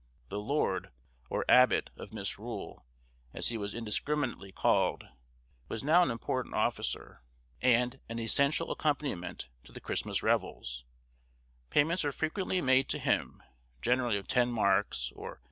The lord, or abbot, of Misrule, as he was indiscriminately called, was now an important officer, and an essential accompaniment to the Christmas revels; payments are frequently made to him, generally of ten marks or £6.